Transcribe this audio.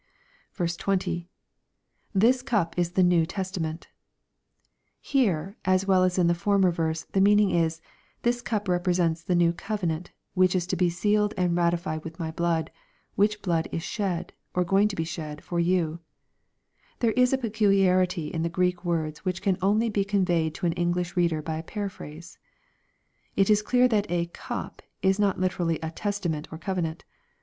20. — [ITiis cup is the New Testamenf] Here, as well as in the for mer verse, the meaning is, "This cup represents the newcovenantj which is to be sealed and ratified with my blood, — which blood is shed, or going to be shed for you," There is a peculiarity in the Greek words, which can only be conveyed to an Engliii reader by a paraphrase. It is clear that a " cup" is not literally a " testament" or covenant.